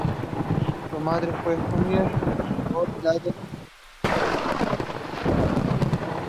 She was also twice mentioned in dispatches.